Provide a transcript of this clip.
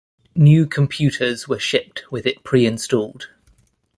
New computers were shipped with it pre-installed.